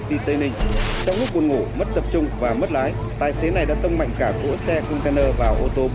trong lúc buồn ngủ mất tập trung và mất lái tài xế này đã tông mạnh cả cỗ xe container vào ô tô bốn